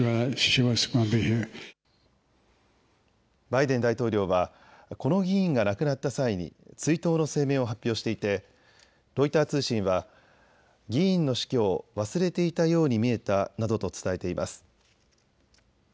バイデン大統領はこの議員が亡くなった際に追悼の声明を発表していてロイター通信は議員の死去を忘れていたように見えたなどと伝えています。